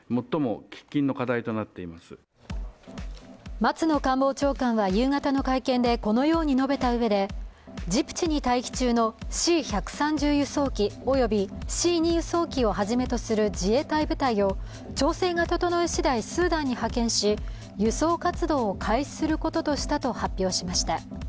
松野官房長官は夕方の会見でこのように述べたうえでジブチに待機中のＣ１３０輸送機及びＣ２輸送機をはじめとする自衛隊部隊を調整が整いしだいスーダンに派遣し輸送活動を開始することとしたと発表しました。